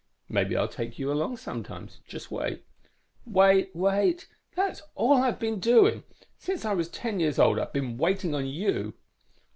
"_ "Maybe I'll take you along sometime. Just wait." _"Wait, wait! That's all I've been doing. Since I was ten years old I've been waiting on you!"